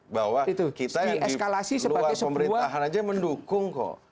bahwa kita yang eskalasi luar pemerintahan aja mendukung kok